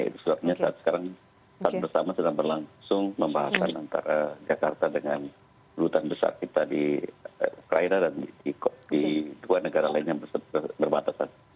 sebenarnya saat sekarang satu bersama sudah berlangsung membahas antara jakarta dengan hutan besar kita di ukraina dan di dua negara lain yang bermatasas